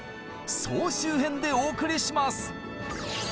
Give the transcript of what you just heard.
総集編でお送りします！